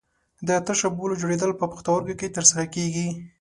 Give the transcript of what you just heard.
د تشو بولو جوړېدل په پښتورګو کې تر سره کېږي.